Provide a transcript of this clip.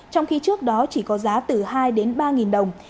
trong khi trước đó chỉ có giá từ hai ba nghìn đồng